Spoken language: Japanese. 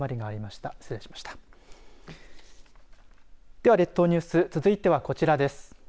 では列島ニュース続いてはこちらです。